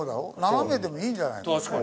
斜めでもいいんじゃないか。